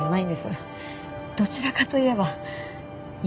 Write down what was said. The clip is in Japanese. どちらかといえば犬？